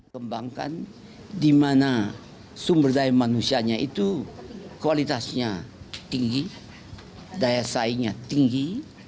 kembangkan di mana sumber daya manusianya itu kualitasnya tinggi daya saingnya tinggi